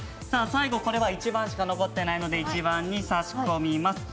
最後、１番しか残っていないので１番に差し込みます。